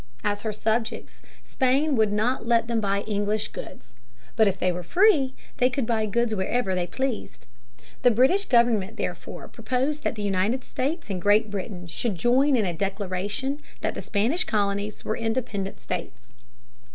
As her subjects Spain would not let them buy English goods. But if they were free, they could buy goods wherever they pleased. The British government therefore proposed that the United States and Great Britain should join in a declaration that the Spanish colonies were independent states.